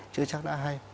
chưa chắc đã hay